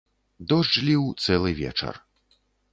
Дождж ліў цэлы вечар.